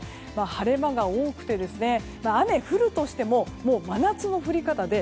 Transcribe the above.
晴れ間が多くて雨が降るとしてももう真夏の降り方で